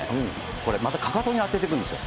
これ、またかかとに当てていくんですよ。